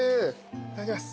いただきます。